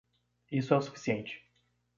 Isso é o suficiente.